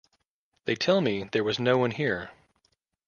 They tell me there was no one here.